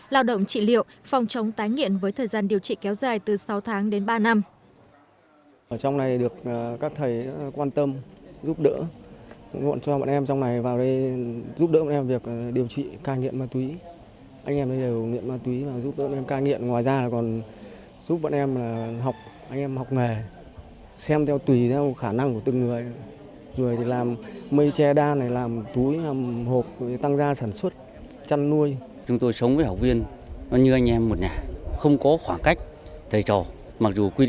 lao động trị liệu phòng chống tái nghiện với thời gian điều trị kéo dài từ sáu tháng đến ba năm